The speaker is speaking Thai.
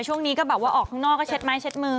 ช่วงนี้ก็แบบว่าออกข้างนอกก็เช็ดไม้เช็ดมือ